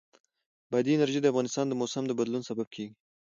بادي انرژي د افغانستان د موسم د بدلون سبب کېږي.